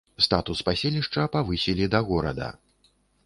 Статус паселішча павысілі да горада.